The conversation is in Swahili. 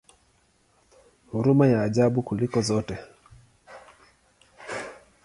Huruma ya ajabu kuliko zote!